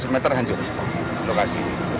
tiga ratus meter hancur lokasi ini